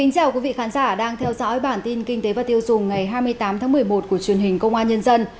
chào mừng quý vị đến với bản tin kinh tế và tiêu dùng ngày hai mươi tám tháng một mươi một của truyền hình công an nhân dân